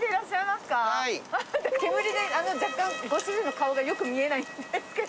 煙で、若干ご主人の顔がよく見えないんですけど。